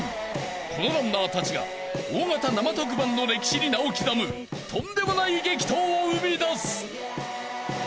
［このランナーたちが大型生特番の歴史に名を刻むとんでもない激闘を生み出す］